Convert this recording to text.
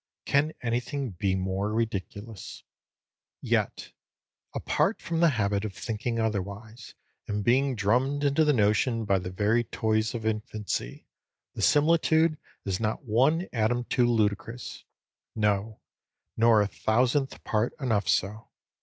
Can anything be more ridiculous? Yet, apart from the habit of thinking otherwise, and being drummed into the notion by the very toys of infancy, the similitude is not one atom too ludicrous; no, nor a thousandth part enough so.